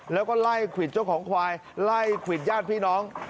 แล้วก็ไล่ควิดเจ้าของควายไล่ควิดญาติพี่น้อง